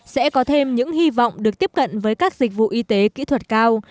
sẽ có thêm những hy vọng được tiếp cận với các dịch vụ y tế kỹ thuật cao